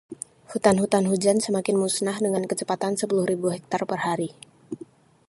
Hutan-hutan hujan semakin musnah dengan kecepatan sepuluh ribu hektar per hari.